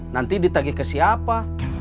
nanti ditagi ke siapa